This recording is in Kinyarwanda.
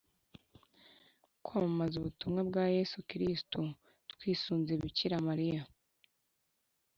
kwamamaza ubutumwa bwa yezu kristu, twisunze bikira mariya